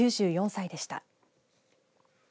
９４歳でした。